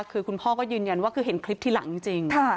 คือคุณพ่อก็ยืนยันว่าคือเห็นคลิปทีหลังจริง